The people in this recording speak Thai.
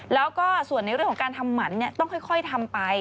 แล้วก็ส่วนในเรื่องของการทำหมันต้องค่อยทำไป